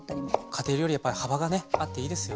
家庭料理はやっぱり幅がねあっていいですよね。